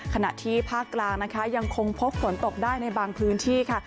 ขณะที่ภาคกลางนะคะยังคงพบฝนตกได้ในบางพื้นที่ค่ะ